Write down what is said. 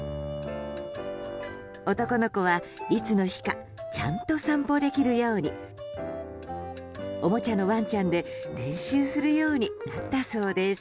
男の子は、いつの日かちゃんと散歩できるようにおもちゃのワンちゃんで練習するようになったそうです。